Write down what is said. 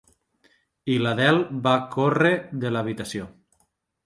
I l'Adele va córrer de l'habitació.